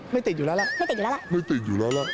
ไม่ติดอยู่แล้วละไม่ติดอยู่แล้วละ